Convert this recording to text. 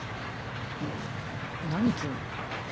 何急に。